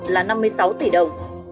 là năm mươi sáu tỷ đồng